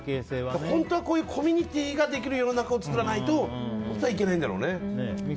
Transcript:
本当はこういうコミュニティーができるようなのを作らないとだめなんだろうね。